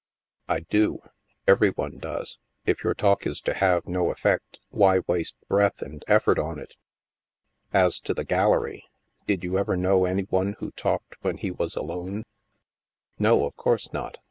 " I do. Every one does. If your talk is to have no effect, why waste breath and effort on it ? As to the gallery, did you ever know any one who talked when he was alone? "" No, of course not.